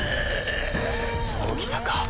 そうきたか。